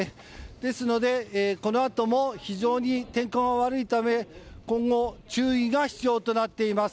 ですので、このあとも非常に天候が悪いため今後、注意が必要となっています。